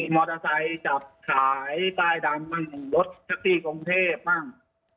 กินมอเตอร์ไซต์จับขายป้ายดำรถทักที่กรงเทพฯบ้าง